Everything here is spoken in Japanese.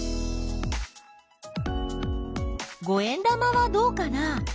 五円玉はどうかな？